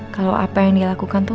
kalau apa yang dilakukan tuh